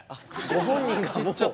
ご本人がもう。